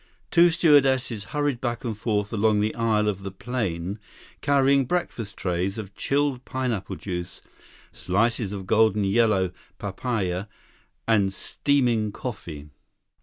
Two stewardesses hurried back and forth along the aisle of the plane, carrying breakfast trays of chilled pineapple juice, slices of golden yellow papaya, and steaming coffee.